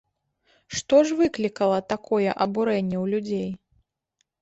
Што ж выклікала такое абурэнне ў людзей?